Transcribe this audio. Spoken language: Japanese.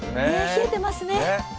冷えてますね。